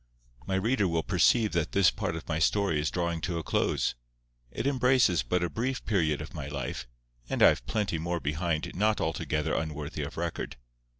My reader will perceive that this part of my story is drawing to a close. It embraces but a brief period of my life, and I have plenty more behind not altogether unworthy of record.